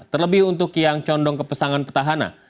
terlebih untuk yang condong kepesangan petahana